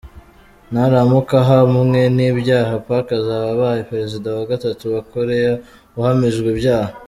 Naramuka ahamwe n’ibyaha, Park azaba abaye Perezida wa Gatatu wa Koreya uhamijwe ibyaha.